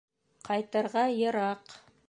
Ҡайтырға йыраҡ.